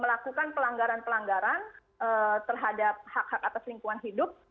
melakukan pelanggaran pelanggaran terhadap hak hak atas lingkungan hidup